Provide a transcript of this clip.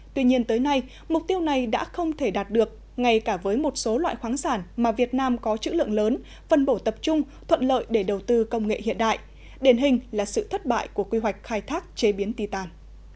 tuy nhiên tới nay mục tiêu này đã không thể đạt được ngay cả với một số loại khoáng sản mà việt nam có chữ lượng lớn phân bổ tập trung thuận lợi để đầu tư công nghệ hiện đại đền hình là sự thất bại của quy hoạch khai thác chế biến ti tàn